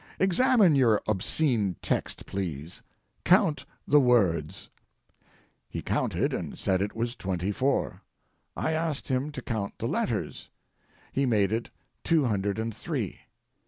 Examine your obscene text, please; count the words." He counted and said it was twenty four. I asked him to count the letters. He made it two hundred and three.